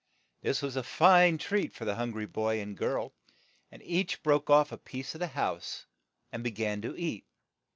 This was a fine treat for the hun gry boy and girl, and each broke off a piece of the house, and be gan to eat.